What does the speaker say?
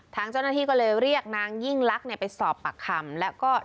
ในพื้นที่อุดอนฐานีขอนแก่นสกนนะครและหนองบัวลำพูค่ะ